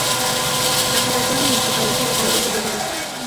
La cabecera municipal es la localidad de Bellavista.